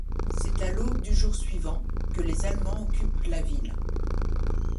C'est à l'aube du jour suivant que les Allemands occupent la ville.